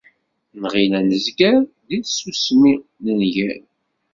Nɣill ad nezger... deg tsusmi nenger!